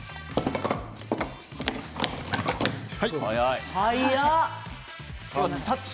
速い。